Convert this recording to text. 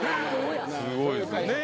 すごいですよね。